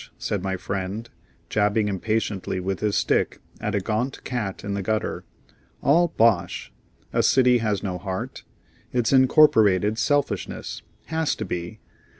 said my friend, jabbing impatiently with his stick at a gaunt cat in the gutter, "all bosh! A city has no heart. It's incorporated selfishness; has to be.